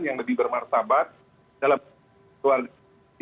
yang lebih bermartabat dalam kekuasaan keluarga